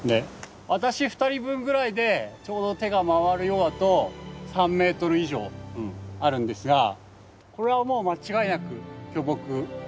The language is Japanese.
私２人分ぐらいでちょうど手が回るようだと３ｍ以上あるんですがこれはもう間違いなく巨木。